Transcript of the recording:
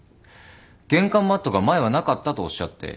玄関マットが前はなかったとおっしゃって。